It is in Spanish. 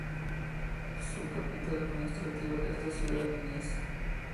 Su capital administrativa es la ciudad de Niš.